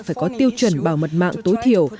phải có tiêu chuẩn bảo mật mạng tối thiểu